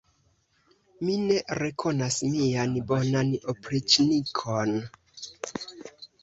Mi ne rekonas mian bonan opriĉnikon!